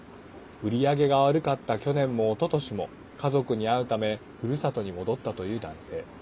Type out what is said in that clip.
売り上げが悪かった去年も、おととしも家族に会うためふるさとに戻ったという男性。